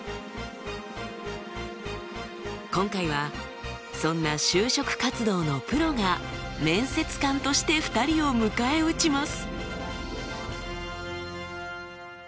今回はそんな就職活動のプロが面接官として２人を迎え撃ちます。